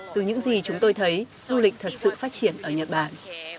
từ những gì chúng tôi thấy du lịch thật sự phát triển ở nhật bản